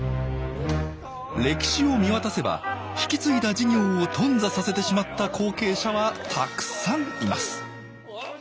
歴史を見渡せば引き継いだ事業を頓挫させてしまった後継者はたくさんいます。